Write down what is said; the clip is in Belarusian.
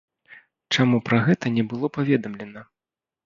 Чаму пра гэта не было паведамлена?